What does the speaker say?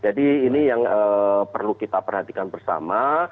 jadi ini yang perlu kita perhatikan bersama